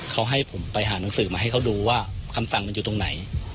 เขาให้ผมไปหานังสือมาให้เขาดูว่าคำสั่งมันอยู่ตรงไหน